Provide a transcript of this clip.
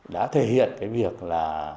đã thể hiện cái việc là